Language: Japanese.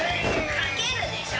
かけるでしょ！